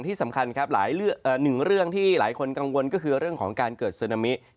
ที่สำคัญครับหลายหนึ่งเรื่องที่หลายคนกังวลก็คือเรื่องของการเกิดซึนามิ